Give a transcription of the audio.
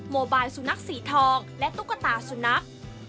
โมบายสุนัขสีทองและตุ๊กตาสุนัข